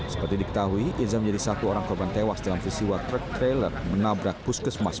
seperti diketahui irza menjadi satu orang korban tewas dalam visiwa truk trailer menabrak puskesmas